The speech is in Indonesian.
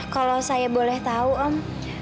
kalau saya boleh tahu om